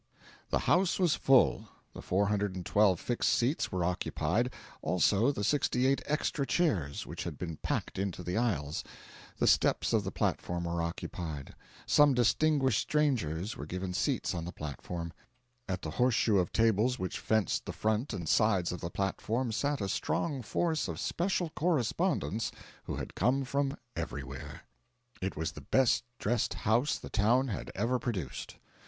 The house was full. The 412 fixed seats were occupied; also the 68 extra chairs which had been packed into the aisles; the steps of the platform were occupied; some distinguished strangers were given seats on the platform; at the horseshoe of tables which fenced the front and sides of the platform sat a strong force of special correspondents who had come from everywhere. It was the best dressed house the town had ever produced.